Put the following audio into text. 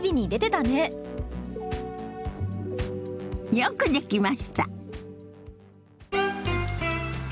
よくできました。